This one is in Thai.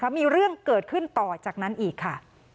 มีเรื่องเกิดขึ้นต่อจากนั้นอีกค่ะ